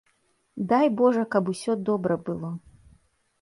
Дай божа, каб усё добра было.